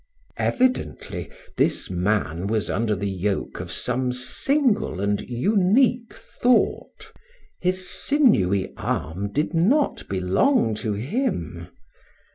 Evidently, this man was under the yoke of some single and unique thought. His sinewy arm did not belong to him.